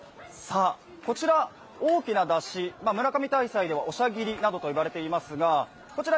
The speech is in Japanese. こちら、大きなだし、村上大祭ではおしゃぎりなどと呼ばれていますがこちら